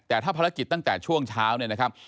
แต่ถ้าภารกิจตั้งแต่ช่วงเช้าเนี่ยนะครับ